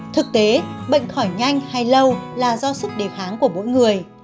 thực tế bệnh khỏi nhanh hay lâu là do sức đề kháng của mỗi người